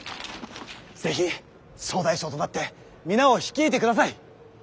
是非総大将となって皆を率いてください！